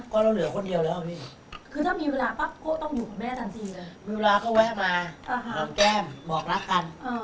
บอกแล้วกันนะ